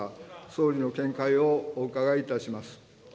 総理の見解をお伺いいたします。